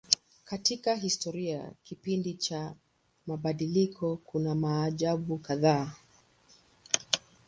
Katika historia ya kipindi cha mabadiliko kuna maajabu kadhaa.